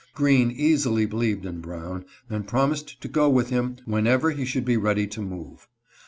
Green easily believed in Brown, and promised to go with him whenever he should be ready to move.